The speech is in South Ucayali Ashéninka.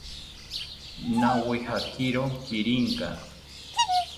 Nawijakiro kirinka